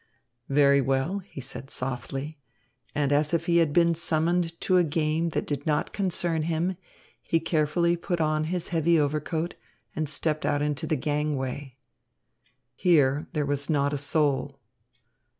"Very well," he said softly; and, as if he had been summoned to a game that did not concern him, he carefully put on his heavy overcoat, and stepped out into the gangway. Here there was not a soul.